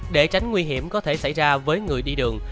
để tránh nguy hiểm có thể xảy ra với người đi đường